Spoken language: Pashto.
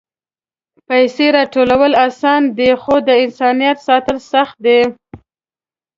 پېسې راټولول آسانه دي، خو د انسانیت ساتل سخت دي.